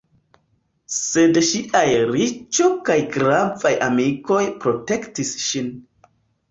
Sed ŝiaj riĉo kaj gravaj amikoj protektis ŝin.